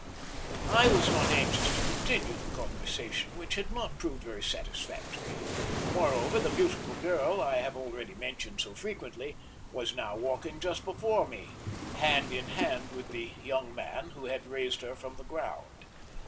I was not anxious to continue the conversation, which had not proved very satisfactory; moreover, the beautiful girl I have already mentioned so frequently, was now walking just before me, hand in hand with the young man who had raised her from the ground.